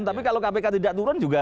tapi kalau kpk tidak turun juga